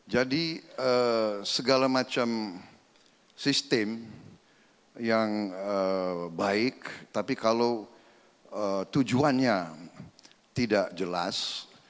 jadi segala macam sistem yang baik tapi kalau tujuannya tidak jelas